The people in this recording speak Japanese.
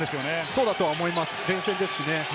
そうだと思います、連戦ですしね。